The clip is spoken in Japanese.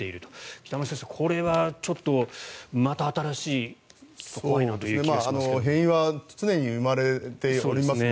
北村先生、これはちょっとまた新しい怖いなという気がしますが。